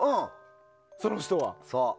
その人は？